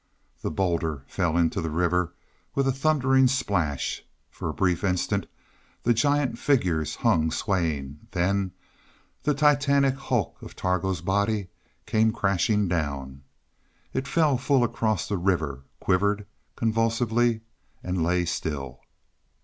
The boulder fell into the river with a thundering splash. For a brief instant the giant figures hung swaying; then the titanic hulk of Targo's body came crashing down. It fell full across the river, quivered convulsively and lay still.